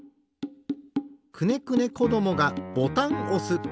くねくねこどもがボタンおす。